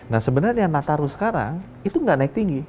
nah sebenarnya nataru sekarang itu nggak naik tinggi